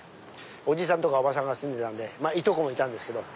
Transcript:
おじさんとかおばさんが住んでてまぁいとこもいたんですけど。